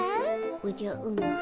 おじゃうむ